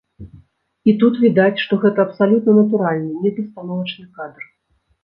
І тут відаць, што гэта абсалютна натуральны, не пастановачны кадр.